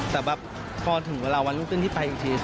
แต่แบบพอถึงเวลาวันรุ่งขึ้นที่ไปอีกที